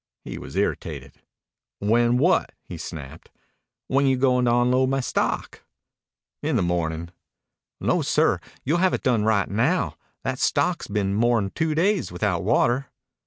He was irritated. "When what?" he snapped. "When you goin' to onload my stock?" "In the morning." "No, sir. You'll have it done right now. That stock has been more'n two days without water."